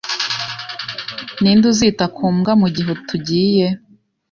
Ninde uzita ku mbwa mugihe tugiye?